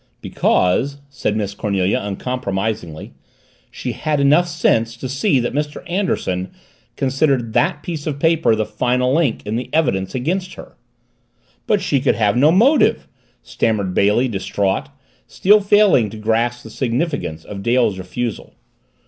"Because," said Miss Cornelia uncompromisingly, "she had sense enough to see that Mr. Anderson considered that piece of paper the final link in the evidence against her!" "But she could have no motive!" stammered Bailey, distraught, still failing to grasp the significance of Dale's refusal.